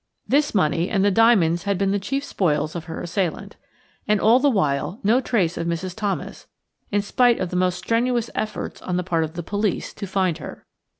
This money and the diamonds had been the chief spoils of her assailant. And all the while no trace of Mrs. Thomas, in spite of the most strenuous efforts on the part of the police to find. her.